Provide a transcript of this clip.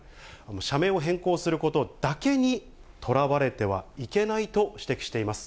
社名を変更することだけにとらわれてはいけないと指摘しています。